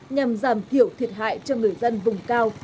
nhằm giảm thiểu thiệt hại cho người dân vùng cao